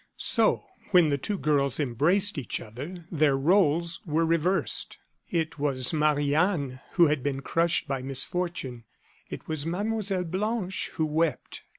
So, when the two girls embraced each other, their roles were reversed. It was Marie Anne who had been crushed by misfortune; it was Mlle. Blanche who wept.